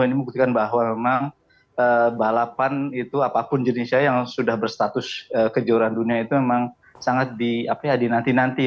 ini membuktikan bahwa memang balapan itu apapun jenisnya yang sudah berstatus kejuaraan dunia itu memang sangat dinanti nanti